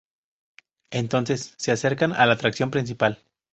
Entonces se acercan a la atracción principal.